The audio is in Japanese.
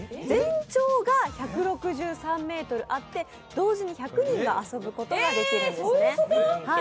全長が１６３ｍあって同時に１００人が遊ぶことができるんですね。